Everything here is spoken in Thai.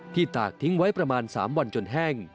ตากทิ้งไว้ประมาณ๓วันจนแห้ง